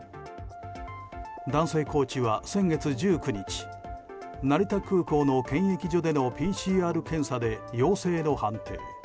男性コーチは先月１９日成田空港の検疫所でのＰＣＲ検査で陽性の判定。